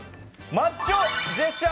マッチョジェスチャー